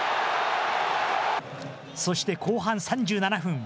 そして後半３７分。